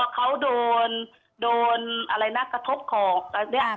เขาโดนกระทบของ